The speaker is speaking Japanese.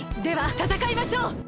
ではたたかいましょう！